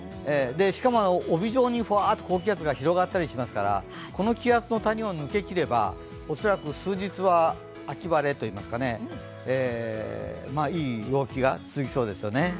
しかも帯状にふわっと高気圧が広がったりしますから、この気圧の谷を抜けきれば恐らく数日は、秋晴れといいますかねいい陽気が続きそうですよね。